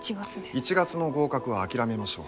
１月の合格は諦めましょう。